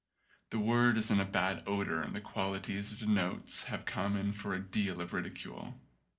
The word is in bad odour and the qualities it denotes have come in for a deal of ridicule.